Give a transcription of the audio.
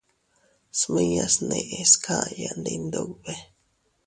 Smiñas neʼes kaya ndi Iyndube.